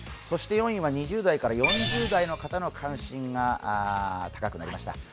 そして４位は２０代から４０代の方の関心が高くなりました。